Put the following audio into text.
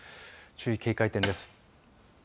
注意警戒点です。